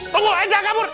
tunggu aja kabur